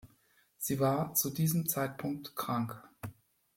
Sie war zu diesem Zeitpunkt krank.